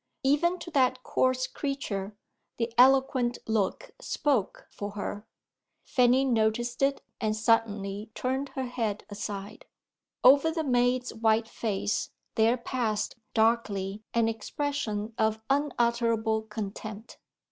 Even to that coarse creature, the eloquent look spoke for her. Fanny noticed it, and suddenly turned her head aside. Over the maid's white face there passed darkly an expression of unutterable contempt.